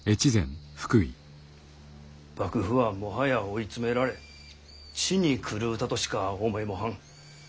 幕府はもはや追い詰められ血に狂うたとしか思えもはん。